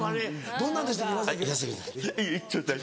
どんなんでしたっけ？